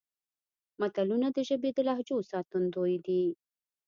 متلونه د ژبې د لهجو ساتندوی دي